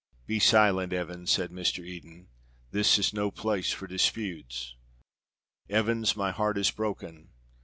"Be silent, Evans," said Mr. Eden. "This is no place for disputes. Evans, my heart is broken.